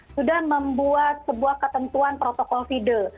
sudah membuat sebuah ketentuan protokol fide